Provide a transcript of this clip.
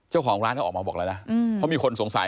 เจ้าของร้านเขาออกมาบอกแล้วนะเพราะมีคนสงสัย